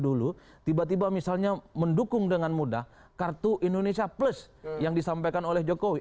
dulu tiba tiba misalnya mendukung dengan mudah kartu indonesia plus yang disampaikan oleh jokowi